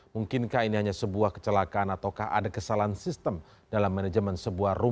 mungkinkah ini hanya sebuah kecelakaan ataukah ada kesalahan sistem dalam manajemen sebuah rumah